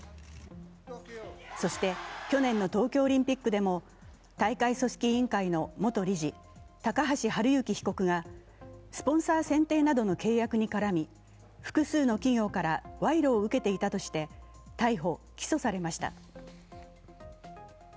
そして去年の東京オリンピックでも大会組織委員会の元理事、高橋治之被告がスポンサー選定などの契約に絡み複数の企業から賄賂を受けていたとして、逮捕・起訴されました。